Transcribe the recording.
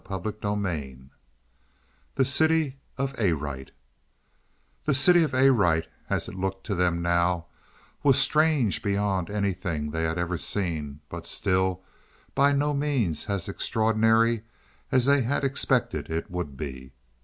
CHAPTER XIX THE CITY OF ARITE The city of Arite, as it looked to them now, was strange beyond anything they had ever seen, but still by no means as extraordinary as they had expected it would be.